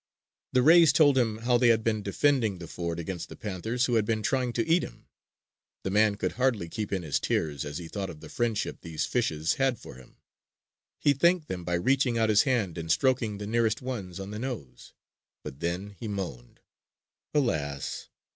The rays told him how they had been defending the ford against the panthers who had been trying to eat him. The man could hardly keep in his tears as he thought of the friendship these fishes had for him. He thanked them by reaching out his hand and stroking the nearest ones on the nose. But then he moaned: "Alas!